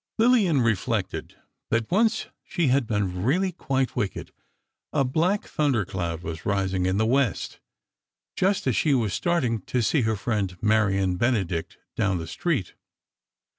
Lillian reflected that once she had been really quite wicked: A black thundercloud was rising in the west, just as she was starting to see her friend, Marion Benedict, down the street.